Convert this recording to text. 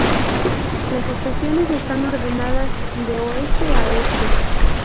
Las estaciones están ordenadas de oeste a este.